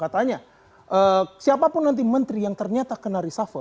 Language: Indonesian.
katanya siapapun nanti menteri yang ternyata kena reshuffle